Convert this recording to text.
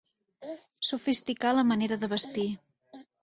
Sofisticar la manera de vestir.